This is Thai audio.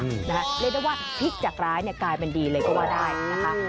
เรียกได้ว่าพลิกจากร้ายเนี่ยกลายเป็นดีเลยก็ว่าได้นะคะ